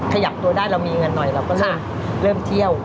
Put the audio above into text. ขยับตัวได้เรามีเงินหน่อยเราก็เลยเริ่มเที่ยว